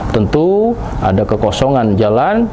tentu ada kekosongan jalan